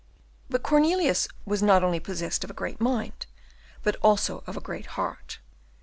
But Cornelius was not only possessed of a great mind, but also of a great heart.